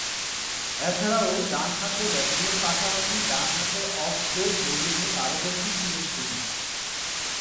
এছাড়াও, ডানহাতে ব্যাটিংয়ের পাশাপাশি ডানহাতে অফ ব্রেক বোলিংয়ে পারদর্শী ছিলেন তিনি।